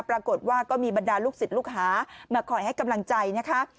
ปรากฏว่าก็มีบรรดาลูกศิษย์ลูกหามาคอยให้กำลังใจนะคะ